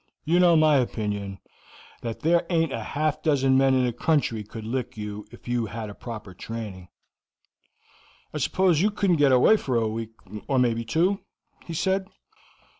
You know my opinion, that there aint half a dozen men in the country could lick you if you had a proper training." "I suppose you couldn't get away for a week, or maybe two?" he said.